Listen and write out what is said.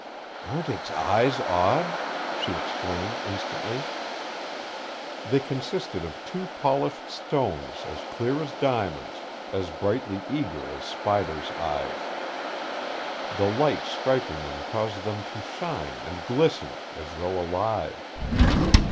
"Aren't its eyes odd?" she exclaimed instantly. They consisted of two polished stones as clear as diamonds, as brightly eager as spiders' eyes. The light striking them caused them to shine and glisten as though alive.